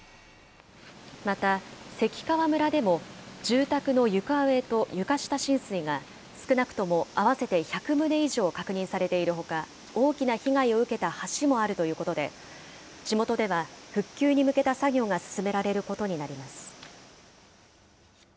また、関川村でも住宅の床上と床下浸水が、少なくとも合わせて１００棟以上確認されているほか、大きな被害を受けた橋もあるということで、地元では、復旧に向けた作業が進められることになります。